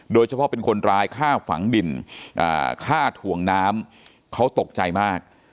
โดยเฉพาะเป็นคนร้ายฆ่าฝังดินฆ่าถ่วงน้ำเขาตกใจมาก